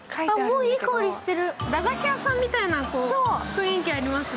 もういい香りしてる、駄菓子屋さんみたいな雰囲気ありますね。